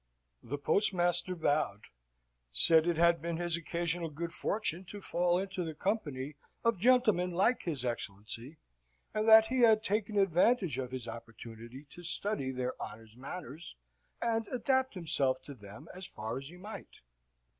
The postmaster bowed, said it had been his occasional good fortune to fall into the company of gentlemen like his Excellency, and that he had taken advantage of his opportunity to study their honours' manners, and adapt himself to them as far as he might.